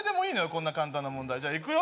こんな簡単な問題じゃいくよ